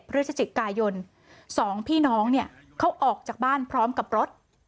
พฤศจิกายนสองพี่น้องเนี่ยเขาออกจากบ้านพร้อมกับรถ